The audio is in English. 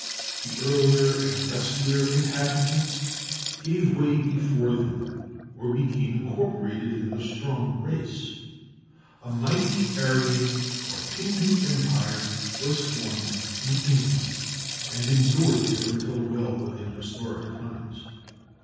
The earlier and duskier inhabitants gave way before them or became incorporated in the stronger race. A mighty Aryan or Hindu empire was formed in India and endured there until well within historic times.